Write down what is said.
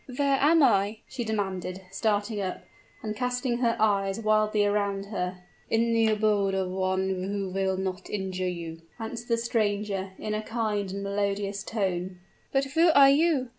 "Where am I?" she demanded, starting up, and casting her eyes wildly around her. "In the abode of one who will not injure you," answered the stranger, in a kind and melodious tone. "But who are you?